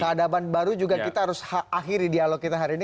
kehadapan baru juga kita harus akhiri dialog kita hari ini